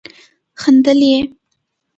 خندل يې.